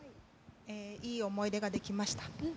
いい思い出ができました。